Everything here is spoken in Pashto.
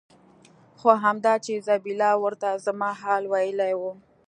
خو همدا چې ذبيح الله ورته زما حال ويلى و.